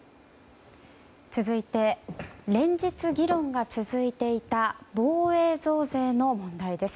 続いて連日、議論が続いていた防衛増税の問題です。